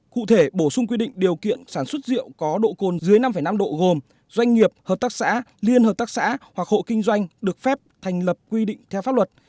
cụ thể bổ sung quy định điều kiện sản xuất rượu có độ cồn dưới năm năm độ gồm doanh nghiệp hợp tác xã liên hợp tác xã hoặc hộ kinh doanh được phép thành lập quy định theo pháp luật